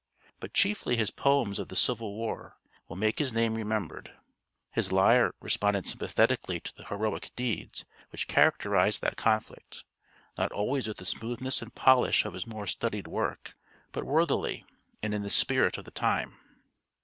But chiefly his poems of the Civil War will make his name remembered. His lyre responded sympathetically to the heroic deeds which characterized that conflict not always with the smoothness and polish of his more studied work, but worthily, and in the spirit of the time.